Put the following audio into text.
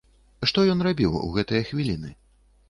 Што ён рабіў у гэтыя хвіліны?